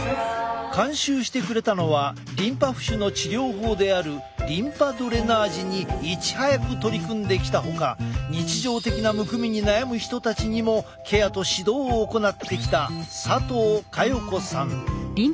監修してくれたのはリンパ浮腫の治療法であるリンパドレナージにいち早く取り組んできたほか日常的なむくみに悩む人たちにもケアと指導を行ってきた佐藤佳代子さん。